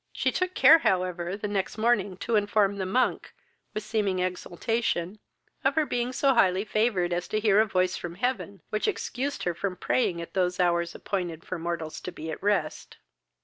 She took care, however, the next morning to inform the monk, with seeming exultation, of her being so highly favoured as to hear a voice from heaven, which excused her from praying at those hours appointed for mortals to be at rest.